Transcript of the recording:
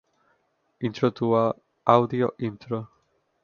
Intro to Audio, Intro.